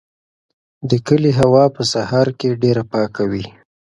د کلي هوا په سهار کې ډېره پاکه وي.